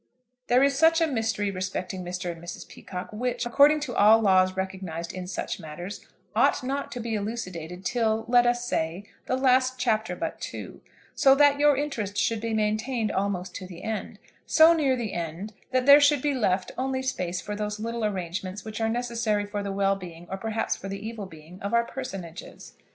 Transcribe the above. There is a mystery respecting Mr. and Mrs. Peacocke which, according to all laws recognised in such matters, ought not to be elucidated till, let us say, the last chapter but two, so that your interest should be maintained almost to the end, so near the end that there should be left only space for those little arrangements which are necessary for the well being, or perhaps for the evil being, of our personages.